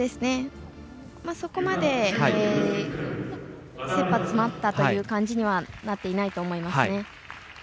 そこまでせっぱ詰まったという感じにはなっていないと思います。